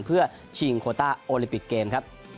เพื่อชิงโครตาร์โอลิปิกเกมส์